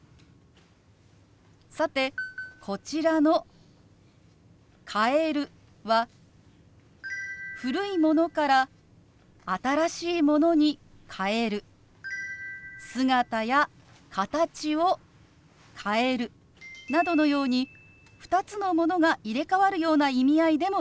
さてこちらの「変える」は「古いものから新しいものに変える」「姿や形を変える」などのように２つのものが入れかわるような意味合いでも使われます。